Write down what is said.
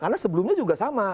karena sebelumnya juga sama